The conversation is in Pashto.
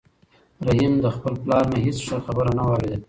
رحیم له خپل پلار نه هېڅ ښه خبره نه وه اورېدلې.